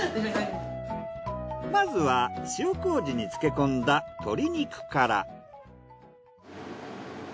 まずは塩麹に漬け込んだ鶏肉から。